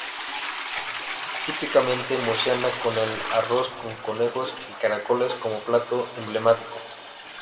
Típicamente murciana con el arroz con conejo y caracoles como plato emblemático.